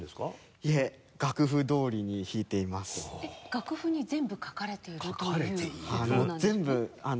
いえ楽譜に全部書かれているという事なんですね？